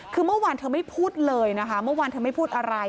คือเมื่อวานเธอไม่พูดเลยนะคะเมื่อวานเธอไม่พูดอะไร